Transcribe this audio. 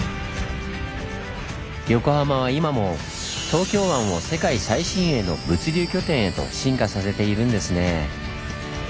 横浜は今も東京湾を世界最新鋭の物流拠点へと進化させているんですねぇ。